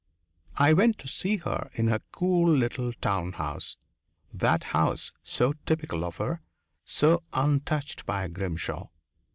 I went to see her in her cool little town house, that house so typical of her, so untouched by Grimshaw.